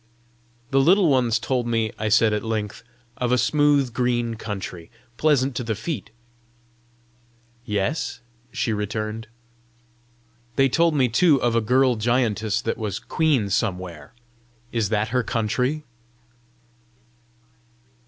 "The Little Ones told me," I said at length, "of a smooth green country, pleasant to the feet!" "Yes?" she returned. "They told me too of a girl giantess that was queen somewhere: is that her country?"